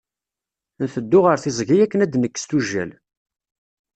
Nteddu ɣer tiẓgi akken ad d-nekkes tujjal.